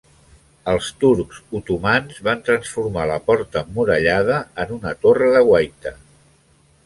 Els turcs otomans van transformar la porta emmurallada en una torre de guaita.